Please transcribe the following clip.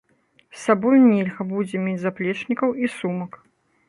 З сабой нельга будзе мець заплечнікаў і сумак.